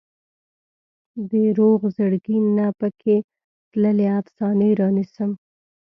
د روغ زړګي نه پکې تللې افسانې رانیسم